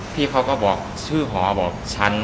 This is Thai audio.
พี่เขาก็บอกชื่อหอบอกฉัน